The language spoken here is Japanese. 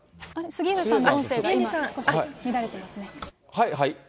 杉上さんの音声が少し乱れてますね。